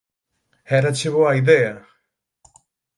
Érache boa idea.